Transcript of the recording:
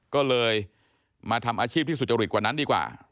ก็เลยมาทำอาชีพที่สุจริตกว่านั้นดีกว่า